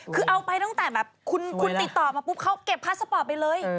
คือเอาไปตั้งแต่แบบคุณติดต่อมาปุ๊บเขาเก็บพาสปอร์ตไปเลย